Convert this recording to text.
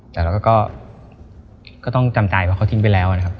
แต่เราก็ต้องจำใจว่าเขาทิ้งไปแล้วนะครับ